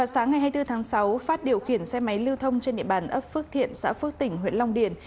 sáng ngày hai mươi bốn tháng sáu phát điều khiển xe máy lưu thông trên địa bàn ấp phước thiện xã phước tỉnh huyện long điền